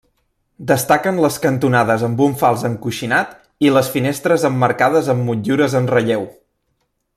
Destaquen les cantonades amb un fals encoixinat i les finestres emmarcades amb motllures en relleu.